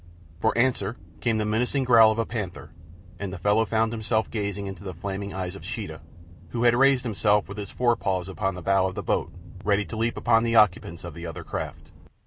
For answer came the menacing growl of a panther, and the fellow found himself gazing into the flaming eyes of Sheeta, who had raised himself with his forepaws upon the bow of the boat, ready to leap in upon the occupants of the other craft.